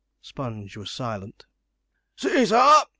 Sponge was silent. 'See, sir!'